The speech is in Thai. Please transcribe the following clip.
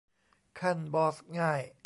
ขั้นบอสง่าย